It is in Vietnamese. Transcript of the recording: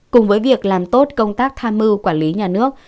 cùng với việc làm tốt công tác tham mưu quản lý nhà nước